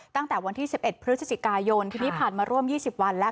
ตั้งแต่วันที่๑๑พฤศจิกายนทีนี้ผ่านมาร่วม๒๐วันแล้ว